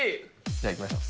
じゃあ、いきましょう。